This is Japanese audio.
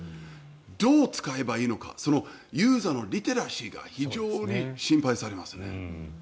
どう使えばいいのかそのユーザーのリテラシーが非常に心配されますね。